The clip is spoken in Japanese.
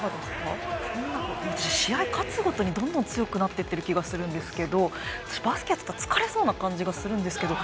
試合勝つごとにどんどん強くなっている気がするんですが、バスケとか疲れそうな感じがするんですが。